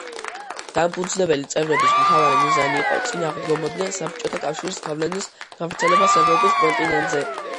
დამფუძნებელი წევრების მთავარი მიზანი იყო წინ აღდგომოდნენ საბჭოთა კავშირის გავლენის გავრცელებას ევროპის კონტინენტზე.